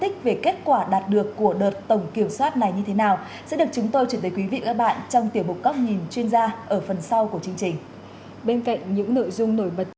cảm ơn các bạn đã theo dõi